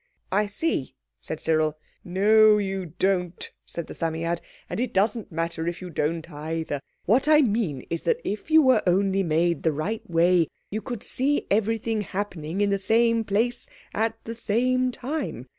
"I see," said Cyril. "No, you don't," said the Psammead, "and it doesn't matter if you don't, either. What I mean is that if you were only made the right way, you could see everything happening in the same place at the same time.